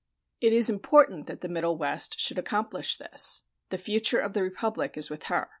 It is important that the Middle West should accomplish this; the future of the Republic is with her.